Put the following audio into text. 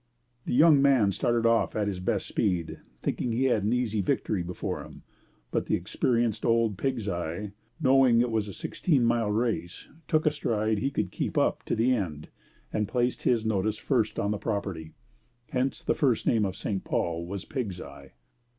The young man started off at his best speed, thinking he had an easy victory before him, but the experienced old Pigs Eye, knowing it was a sixteen mile race took a stride he could keep up to the end and placed his notice first on the property; hence the first name of St. Paul was Pigs Eye.